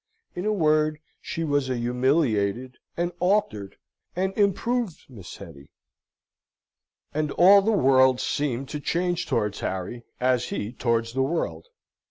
In a word, she was a humiliated, an altered, an improved Miss Hetty. And all the world seemed to change towards Harry, as he towards the world.